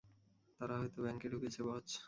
তারা হয়তো ব্যাংকে ঢুকেছে, বস।